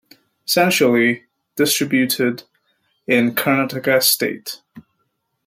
Essentially distributed in Karnataka State.